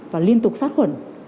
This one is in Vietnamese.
và liên tục sát khuẩn